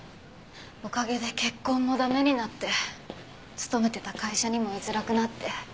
おかげで結婚も駄目になって勤めてた会社にもいづらくなって。